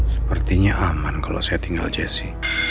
sepertinya aman kalau saya tinggal jessi